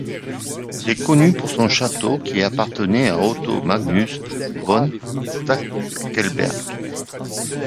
Il est connu pour son château qui appartenait à Otto Magnus von Stackelberg.